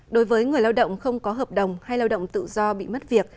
đối với người lao động không có hợp đồng hay lao động tự do bị mất việc